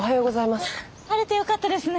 晴れてよかったですね。